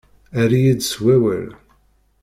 Err-iyi-d s wawal.